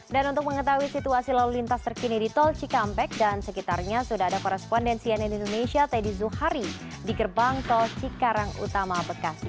dan untuk mengetahui situasi lalu lintas terkini di tol cikampek dan sekitarnya sudah ada korespondensi yang indonesia teddy zuhari di gerbang tol cikarang utama bekasi